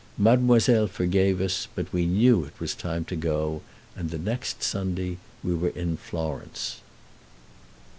Mademoiselle forgave us, but we knew it was time to go, and the next Sunday we were in Florence.